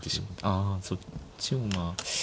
ああそっちもまあ。